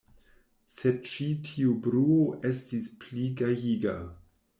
Sed ĉi tiu bruo estis pli gajiga.